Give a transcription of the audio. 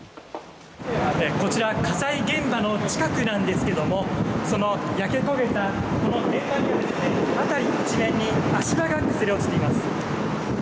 こちら火災現場の近くなんですが焼け焦げた現場には辺り一面に足場が崩れ落ちています。